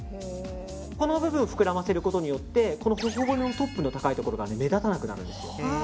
この部分を膨らませることによって頬骨のトップの高いところが目立たなくなるんですよ。